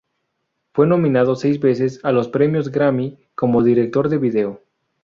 Fue nominado seis veces a los premios Grammy como director de vídeo.